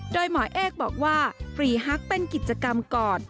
โดยหมอเอกบอกว่าฟรีฮักเป็นกิจกรรมก่อน